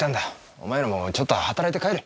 お前らもちょっと働いて帰れ。